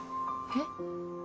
えっ？